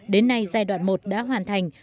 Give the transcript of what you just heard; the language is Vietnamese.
đến nay giai đoạn một đã hoàn thành